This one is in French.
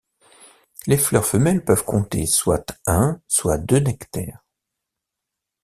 Les fleurs femelles peuvent compter, soit un, soit deux nectaires.